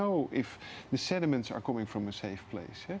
jika sedimen datang dari tempat yang aman